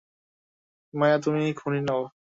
মায়া, তুমি খুনী নও।